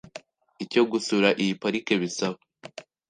Icyo gusura iyi Pariki bisaba